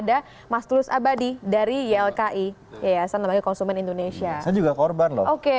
ada mas lulus abadi dari ylki ya ya saya namanya konsumen indonesia saya juga korban loh oke